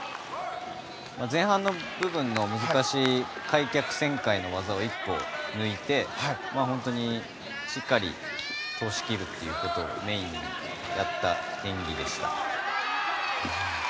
前半の難しい開脚旋回の技を１個、抜いて本当にしっかり通し切るということをメインにやった演技でした。